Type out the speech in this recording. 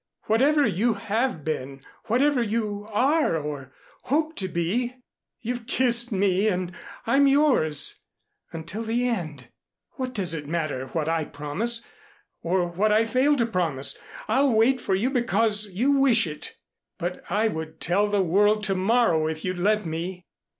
Whatever you have been, whatever you are or hope to be, you've kissed me and I'm yours until the end. What does it matter what I promise or what I fail to promise? I'll wait for you because you wish it, but I would tell the world to morrow if you'd let me."